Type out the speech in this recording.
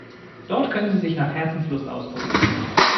Dort können sie sich nach Herzenslust austoben.